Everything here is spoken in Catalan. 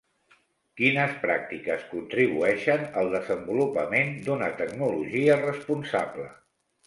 Quines pràctiques contribueixen al desenvolupament d'una tecnologia responsable?